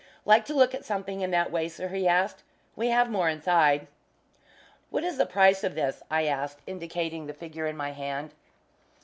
"Like to look at something in that way, sir?" he asked "we have more inside." "What is the price of this?" I asked, indicating the figure in my hand.